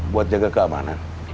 buat jaga keamanan